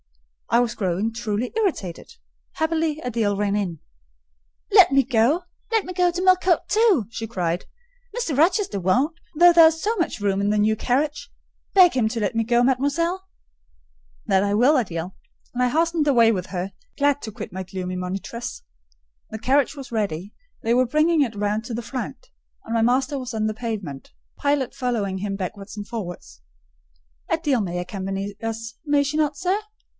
I was growing truly irritated: happily, Adèle ran in. "Let me go,—let me go to Millcote too!" she cried. "Mr. Rochester won't: though there is so much room in the new carriage. Beg him to let me go, mademoiselle." "That I will, Adèle;" and I hastened away with her, glad to quit my gloomy monitress. The carriage was ready: they were bringing it round to the front, and my master was pacing the pavement, Pilot following him backwards and forwards. "Adèle may accompany us, may she not, sir?"